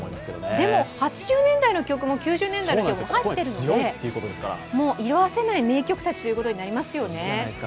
でも８０年代の曲も９０年代の曲も入っているので色あせない名曲たちということになりますよね。